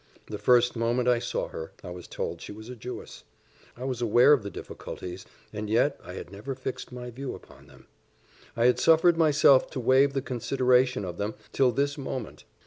The first moment I saw her, I was told she was a Jewess; I was aware of the difficulties, and yet I had never fixed my view upon them: I had suffered myself to waive the consideration of them till this moment.